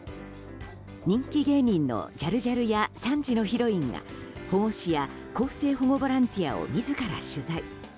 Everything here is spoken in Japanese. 人気芸人のジャルジャルや３時のヒロインが保護司や更生保護ボランティアを自ら取材。